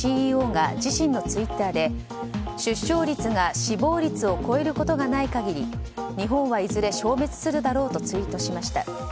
ＣＥＯが自身のツイッターで出生率が死亡率を超えることがない限り日本はいずれ消滅するだろうとツイートしました。